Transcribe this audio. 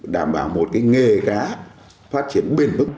đảm bảo một nghề cá phát triển bền mức